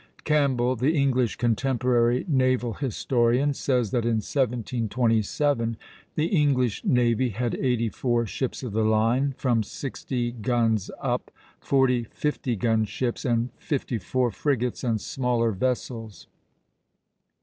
Campbell, the English contemporary naval historian, says that in 1727 the English navy had eighty four ships of the line, from sixty guns up; forty 50 gun ships, and fifty four frigates and smaller vessels.